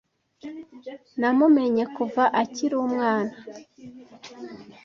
Namumenye kuva akiri umwana.